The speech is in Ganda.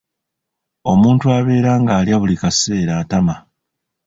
Omuntu abeera ng'alya buli kaseera atama.